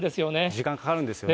時間かかるんですよね。